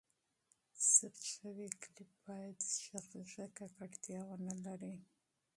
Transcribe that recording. ثبت شوی کلیپ باید ږغیزه ککړتیا ونه لري.